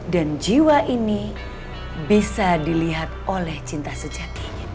dan jiwa ini bisa dilihat oleh cinta sejatinya